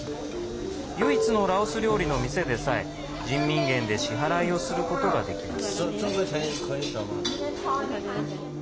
唯一のラオス料理の店でさえ人民元で支払いをすることができます。